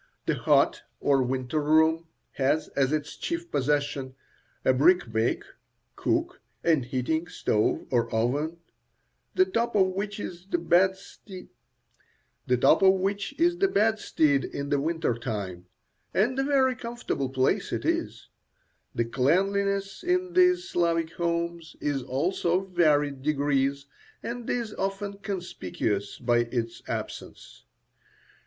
The hot, or winter room has as its chief possession a brick bake, cook, and heating stove or oven, the top of which is the bedstead in the winter time; and a very comfortable place it is. The cleanliness in these Slavic homes is also of varied degrees, and is often conspicuous by its absence.